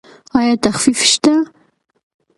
ایا تخفیف شته؟